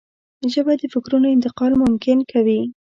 ژبه د فکرونو انتقال ممکن کوي